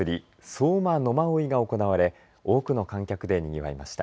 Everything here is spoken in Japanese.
相馬野馬追が行われ多くの観客でにぎわいました。